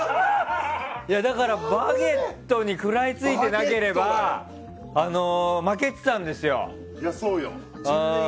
だから、「バゲット」に食らいついてなければ負けてたんですよ。